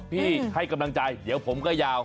ให้กำลังใจเดี๋ยวผมก็ยาว